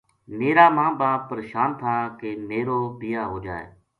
میرا ماں باپ پرشان تھا کہ میرو بیاہ ہو جائے